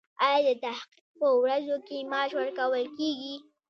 ایا د تحقیق په ورځو کې معاش ورکول کیږي؟